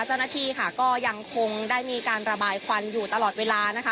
เจ้าหน้าที่ค่ะก็ยังคงได้มีการระบายควันอยู่ตลอดเวลานะคะ